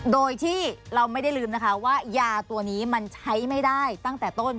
โดยที่เราไม่ได้ลืมนะคะว่ายาตัวนี้มันใช้ไม่ได้ตั้งแต่ต้น